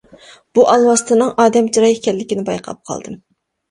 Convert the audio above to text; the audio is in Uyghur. بۇ ئالۋاستىنىڭ ئادەم چىراي ئىكەنلىكىنى بايقاپ قالدىم.